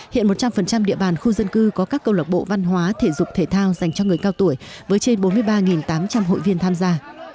hiện một trăm linh địa bàn khu dân cư có các câu lạc bộ văn hóa thể dục thể thao dành cho người cao tuổi với trên bốn mươi ba tám trăm linh hội viên tham gia